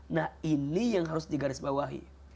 nah ini yang harus digarisbawahi